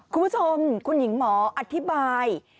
คุณผู้ชมคุณหญิงหมออธิบาย